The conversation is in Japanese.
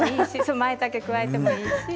まいたけを加えてもいいし。